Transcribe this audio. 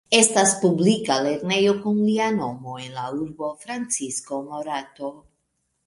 Estas publika lernejo kun lia nomo en la urbo Francisco Morato.